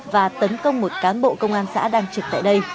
và tấn công một cán bộ công an xã đang trực tại đây